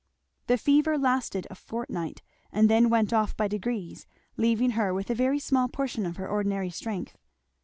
The fever lasted a fortnight, and then went off by degrees, leaving her with a very small portion of her ordinary strength.